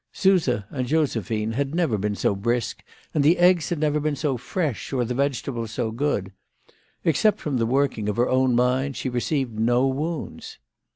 Suse and Josephine had never been so brisk, and the eggs had never been so fresh or the vegetables so good. Except from the working of her own mind, she received no wounds.